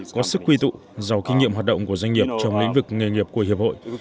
có sức quy tụ giàu kinh nghiệm hoạt động của doanh nghiệp trong lĩnh vực nghề nghiệp của hiệp hội